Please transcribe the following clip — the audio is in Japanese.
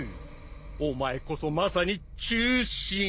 お前こそまさに忠臣。